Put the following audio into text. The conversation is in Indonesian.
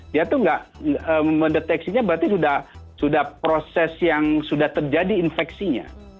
dia tuh nggak mendeteksinya berarti sudah proses yang sudah terjadi infeksinya